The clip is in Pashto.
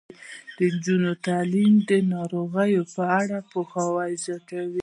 د نجونو تعلیم د ناروغیو په اړه پوهاوی زیاتوي.